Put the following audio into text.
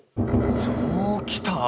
そうきた？